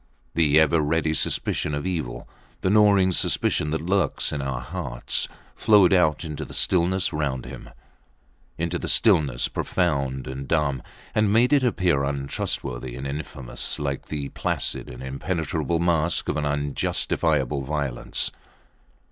The ever ready suspicion of evil, the gnawing suspicion that lurks in our hearts, flowed out into the stillness round him into the stillness profound and dumb, and made it appear untrustworthy and infamous, like the placid and impenetrable mask of an unjustifiable violence.